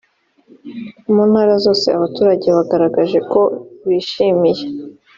mu ntara zose abaturage bagaragaje ko bishimiye